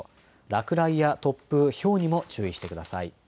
落雷や突風、ひょうにも注意してください。